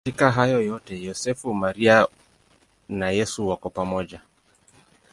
Katika hayo yote Yosefu, Maria na Yesu wako pamoja.